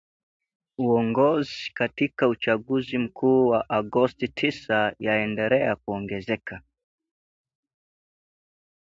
uongozi katika uchaguzi mkuu wa Agosti tisa yaendelea kuongezeka